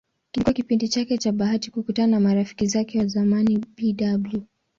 Kilikuwa kipindi chake cha bahati kukutana na marafiki zake wa zamani Bw.